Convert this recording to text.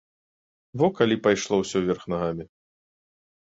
Во калі пайшло ўсё ўверх нагамі!